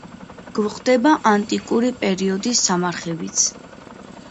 გვხვდება ანტიკური პერიოდის სამარხებიც.